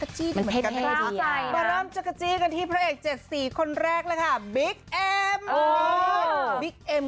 จักจีก็เหมือนกัน